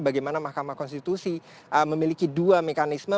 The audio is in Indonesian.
bagaimana mahkamah konstitusi memiliki dua mekanisme